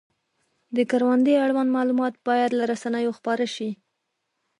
د کروندې اړوند معلومات باید له رسنیو خپاره شي.